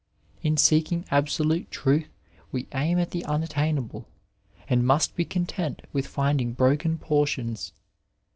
In seeking absolute truth we aim at the unattainable, and must be content with finding broken portions.